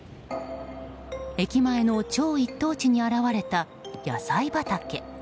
駅前の超一等地に現れた野菜畑。